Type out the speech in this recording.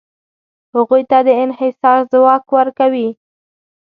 هغوی ته د انحصار ځواک ورکوي.